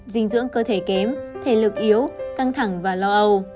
dinh dưỡng cơ thể kém thể lực yếu căng thẳng và lo âu